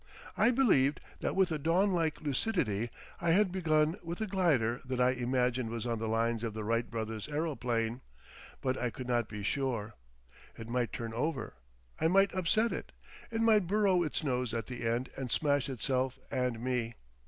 I believed that with a dawn like lucidity. I had begun with a glider that I imagined was on the lines of the Wright brothers' aeroplane, but I could not be sure. It might turn over. I might upset it. It might burrow its nose at the end and smash itself and me.